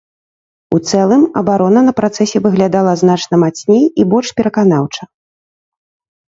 У цэлым абарона на працэсе выглядала значна мацней і больш пераканаўча.